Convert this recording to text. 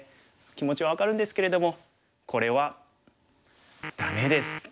気持ちは分かるんですけれどもこれはダメです。